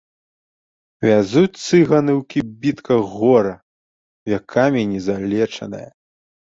Вязуць цыганы ў кібітках гора, вякамі не залечанае.